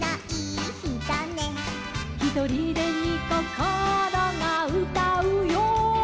「ひとりでにこころがうたうよ」